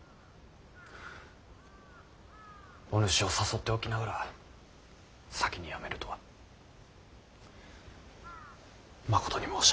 お主を誘っておきながら先に辞めるとはまことに申し訳ない。